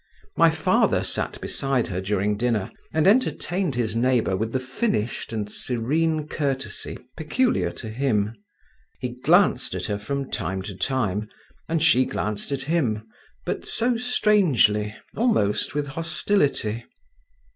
My father sat beside her during dinner, and entertained his neighbour with the finished and serene courtesy peculiar to him. He glanced at her from time to time, and she glanced at him, but so strangely, almost with hostility.